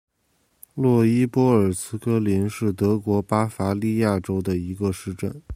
洛伊波尔茨格林是德国巴伐利亚州的一个市镇。